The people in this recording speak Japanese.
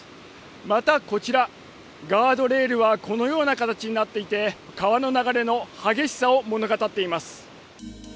また、こちら、ガードレールはこのような形になっていて、川の流れの激しさを物語っています。